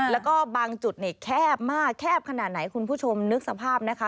แล้วก็บางจุดเนี่ยแคบมากแคบขนาดไหนคุณผู้ชมนึกสภาพนะคะ